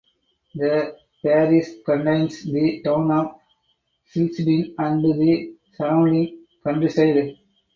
The parish contains the town of Silsden and the surrounding countryside.